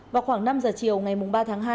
vào khoảng năm giờ chiều ngày ba tháng hai